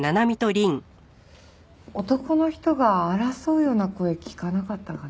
男の人が争うような声聞かなかったかな？